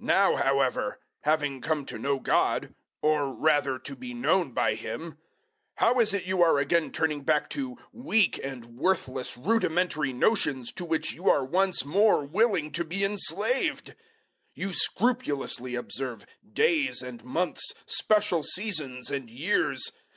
004:009 Now, however, having come to know God or rather to be known by Him how is it you are again turning back to weak and worthless rudimentary notions to which you are once more willing to be enslaved? 004:010 You scrupulously observe days and months, special seasons, and years.